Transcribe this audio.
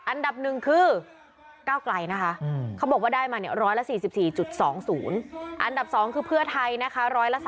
อันดับหนึ่งคือก้าวไกลนะคะเขาบอกว่าได้มา๑๔๔๒๐อันดับ๒คือเพื่อไทยนะคะ